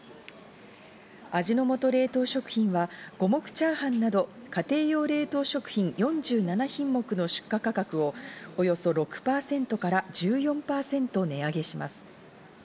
味の素冷凍食品は五目炒飯など家庭用冷凍食品４７品目の出荷価格をおよそ６％から１４％値上げします。